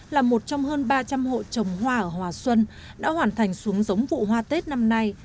là một trong hơn ba trăm linh hộ trồng hoa ở hòa xuân đã hoàn thành xuống giống vụ hoa tết năm nay